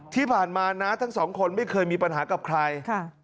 ที่ผ่านมาน้าทั้งสองคนไม่เคยมีปัญหากับใคร